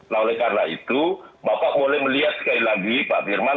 nah oleh karena itu bapak boleh melihat sekali lagi pak firman